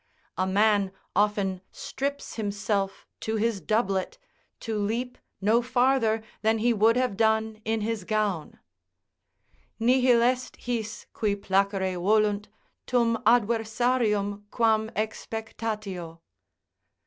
A man often strips himself to his doublet to leap no farther than he would have done in his gown: "Nihil est his, qui placere volunt, turn adversarium, quam expectatio."